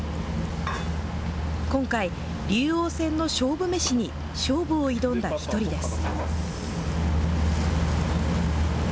今回、竜王戦の勝負めしに勝負を挑んだ一人です。